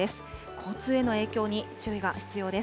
交通への影響に注意が必要です。